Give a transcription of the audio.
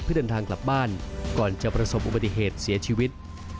เพื่อเดินทางกลับบ้านก่อนจะประสบอุบัติเหตุเสียชีวิต